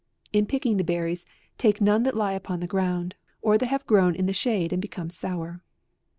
In pick ing the berries, take none that lie upon the ground, or that have grown in the shade an 1 become sour.